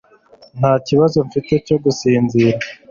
Nta kibazo mfite cyo gusinzira.